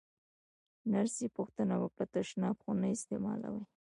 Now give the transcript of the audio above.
نرسې پوښتنه وکړه: تشناب خو نه استعمالوې؟